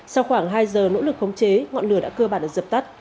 sau khoảng hai giờ nỗ lực khống chế ngọn lửa đã cơ bản được dập tắt